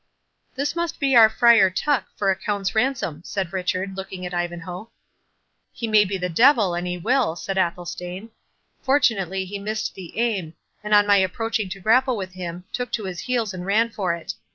"This must be our Friar Tuck, for a count's ransom," said Richard, looking at Ivanhoe. "He may be the devil, an he will," said Athelstane. "Fortunately he missed the aim; and on my approaching to grapple with him, took to his heels and ran for it.